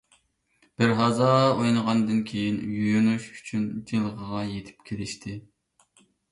بىرھازا ئوينىغاندىن كېيىن، يۇيۇنۇش ئۈچۈن جىلغىغا يېتىپ كېلىشتى.